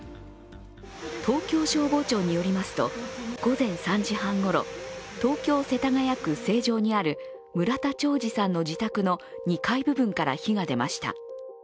東京消防庁によりますと午前３時半ごろ、東京・世田谷区成城にある村田兆治さんの自宅の２階部分から火が出ました。